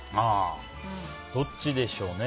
どっちでしょうね。